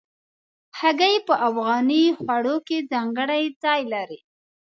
هګۍ په افغاني خوړو کې ځانګړی ځای لري.